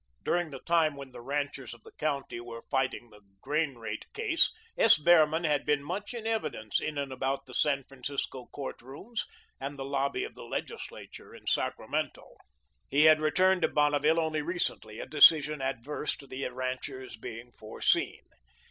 During the time when the ranchers of the county were fighting the grain rate case, S. Behrman had been much in evidence in and about the San Francisco court rooms and the lobby of the legislature in Sacramento. He had returned to Bonneville only recently, a decision adverse to the ranchers being foreseen.